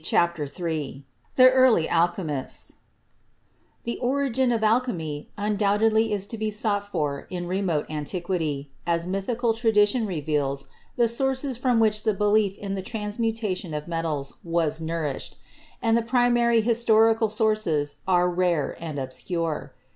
CHAPTER III THE EARLY ALCHEMISTS The origin of alchemy undoubtedly is to be sought for in remote antiquity, as mythical tradition reveals the sources from which the belief in the transmutation of metals was nourished, and the primary historical sources are rare and obscure.